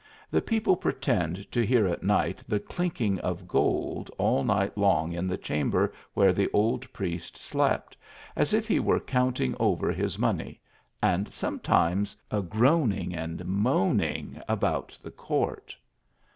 The people pretend to hear at night the clinking of gold all night long in the chamber where the old priest slept, as if he were counting over his money, and sometimes a groaning and moaning about the court.